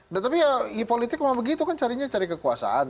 nah tapi ya i politik mau begitu kan carinya cari kekuasaan